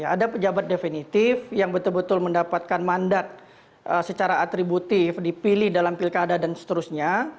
ada pejabat definitif yang betul betul mendapatkan mandat secara atributif dipilih dalam pilkada dan seterusnya